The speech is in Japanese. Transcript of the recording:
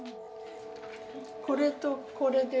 これとこれで。